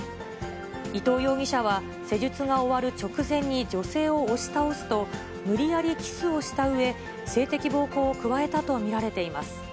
伊藤容疑者は、施術が終わる直前に女性を押し倒すと、無理やりキスをしたうえ、性的暴行を加えたと見られています。